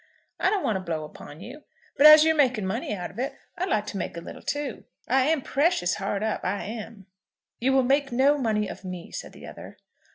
I don't want to blow upon you. But as you're making money out of it, I'd like to make a little too. I am precious hard up, I am." "You will make no money of me," said the other.